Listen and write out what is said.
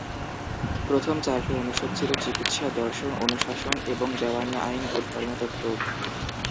প্রথম চারটি অনুষদ ছিল চিকিৎসা, দর্শন, অনুশাসন এবং দেওয়ানি আইন ও ধর্মতত্ত্ব।